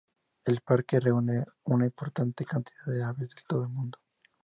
El parque reúne una importante cantidad de aves de todo el mundo.